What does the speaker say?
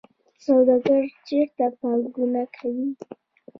سوداګر چیرته پانګونه کوي؟